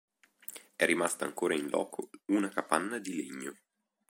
È rimasta ancora in loco una capanna di legno.